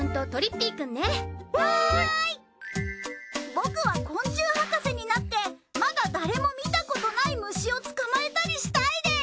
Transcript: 僕は昆虫博士になってまだ誰も見たことない虫を捕まえたりしたいです。